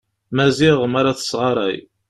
Maziɣ mi ara tesɣaray.